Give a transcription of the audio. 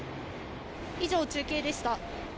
以上、中継でした。